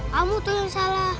kamu tuh yang salah